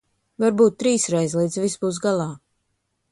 Varbūt trīsreiz, līdz viss būs galā.